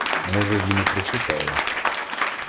Може, він і прочитає.